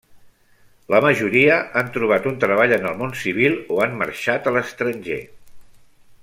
La majoria han trobat un treball en el món civil, o han marxat a l'estranger.